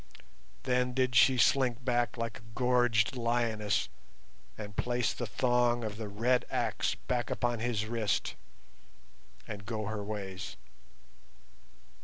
Then did she slink back like a gorged lioness and place the thong of the red axe back upon his wrist and go her ways.